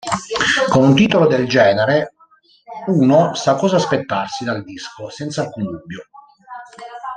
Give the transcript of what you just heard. Con un titolo del genere uno sa cosa aspettarsi dal disco, senza alcun dubbio.